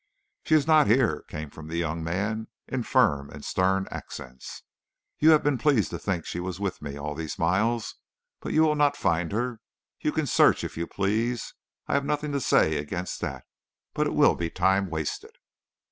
"'She is not here,' came from the young man in firm and stern accents. 'You have been pleased to think she was with me all these miles, but you will not find her. You can search if you please. I have nothing to say against that. But it will be time wasted.'